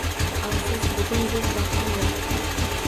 Afsus, bugun bo’sh vaqtim yo'q.